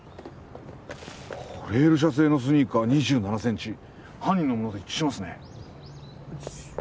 コレール社製のスニーカー２７センチ犯人のものと一致しますね